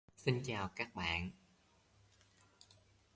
Tháng mười đến, tôi mong duyên mới.